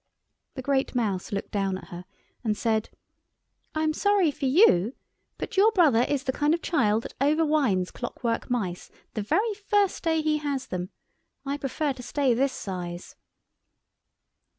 The great Mouse looked down at her and said— "I am sorry for you, but your brother is the kind of child that overwinds clockwork mice the very first day he has them. I prefer to stay this size."